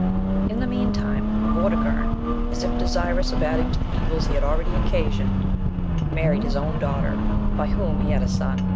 39. In the meantime, Vortigern, as if desirous of adding to the evils he had already occasioned, married his own daughter, by whom he had a son.